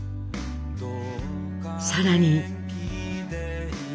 更に。